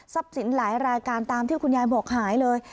สินหลายรายการตามที่คุณยายบอกหายเลย